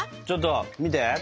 ちょっと見て！